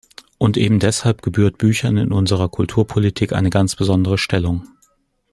Und eben deshalb gebührt Büchern in unserer Kulturpolitik eine ganz besondere Stellung.